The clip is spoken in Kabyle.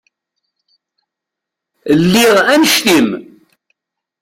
Lliɣ annect-im.